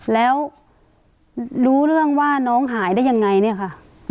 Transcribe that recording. แล้วรู้เรื่องว่าน้องหายได้ยังไงเนี่ยค่ะ